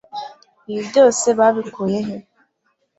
Ibi byose babikuye he?